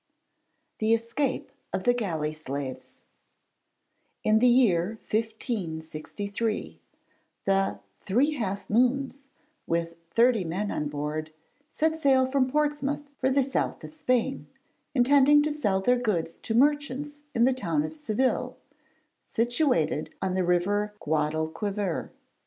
THE ESCAPE OF THE GALLEY SLAVES In the year 1563 the 'Three Half Moons,' with thirty men on board, set sail from Portsmouth for the south of Spain, intending to sell their goods to merchants in the town of Seville, situated on the river Guadalquivir.